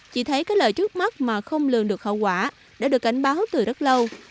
chỉ thấy có lời trước mắt mà không lường được hậu quả đã được cảnh báo từ rất lâu